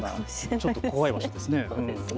ちょっと怖い場所ですね。